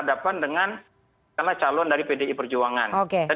atau calon dari pdi perjuangan